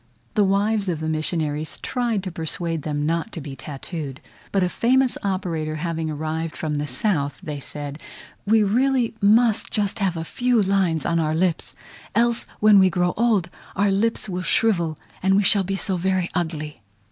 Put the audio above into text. The wives of the missionaries tried to persuade them not to be tattooed; but a famous operator having arrived from the south, they said, "We really must just have a few lines on our lips; else when we grow old, our lips will shrivel, and we shall be so very ugly."